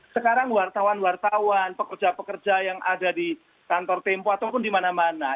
sekarang wartawan wartawan pekerja pekerja yang ada di kantor tempo ataupun di mana mana